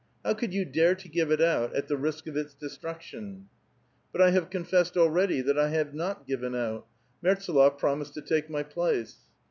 How could you dare to give it out at the risk of its destruction ?"'• But I have confessed already that I have not given out ; Mertsdlof promised to take my place."